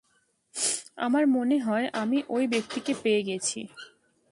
আমার মনে হয়, আমি ঔই ব্যাক্তিকে পেয়ে গেছি!